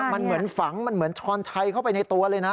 มันเหมือนฝังมันเหมือนช้อนชัยเข้าไปในตัวเลยนะ